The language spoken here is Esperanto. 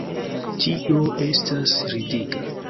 Tio estas ridiga.